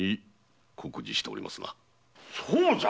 そうじゃ！